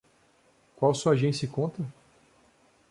Qual sua agência e conta?